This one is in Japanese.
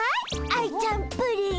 アイちゃんプリン！